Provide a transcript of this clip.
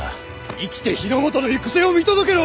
生きて日の本の行く末を見届けろ。